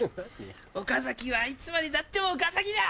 岡崎はいつまでたっても岡崎だ。